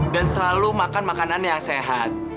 dan selalu makan makanan yang sehat